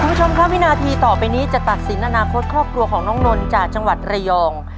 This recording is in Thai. คุณผู้ชมครับวินาทีต่อไปนี้จะตัดสินอนาคตครอบครัวของน้องนนจากจังหวัดระยอง